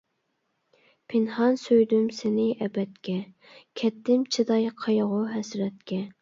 پىنھان سۆيدۈم سېنى ئەبەدكە، كەتتىم چىداي قايغۇ-ھەسرەتكە.